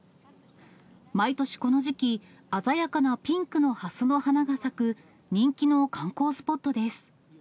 毎年この時期、鮮やかなピンクのハスの花が咲く人気の観光スポットです。